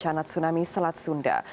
canat tsunami selat sunda